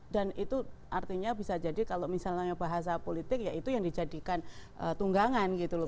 dan itu artinya bisa jadi kalau misalnya bahasa politik ya itu yang dijadikan tunggangan gitu loh